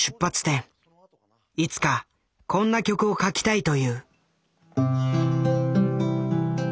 いつかこんな曲を書きたいという。」）